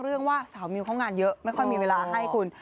เรื่องว่าสาวมิวเขางานเยอะไม่ค่อยมีเวลาให้คุณ